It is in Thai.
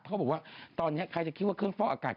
เขาบอกว่าตอนนี้ใครจะคิดว่าเครื่องฟอกอากาศ